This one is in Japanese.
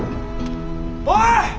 おい！